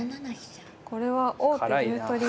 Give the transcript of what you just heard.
これは王手竜取り。